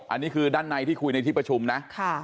อันนี้คือด้านในที่คุยในที่ประชุมนะ